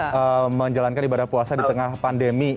tahun kedua menjalankan ibadah puasa di tengah pandemi